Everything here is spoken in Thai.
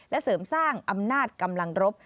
และเสริมสร้างอำนาจกำลังรบ